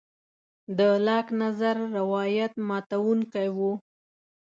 د لاک نظر روایت ماتوونکی و.